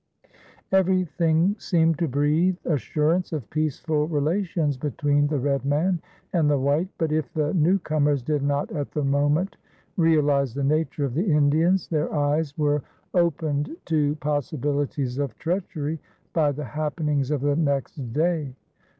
Everything seemed to breathe assurance of peaceful relations between the red man and the white; but if the newcomers did not at the moment realize the nature of the Indians, their eyes were opened to possibilities of treachery by the happenings of the next day.